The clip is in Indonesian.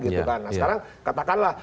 nah sekarang katakanlah